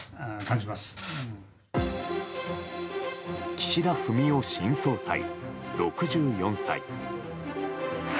岸田文雄新総裁、６４歳。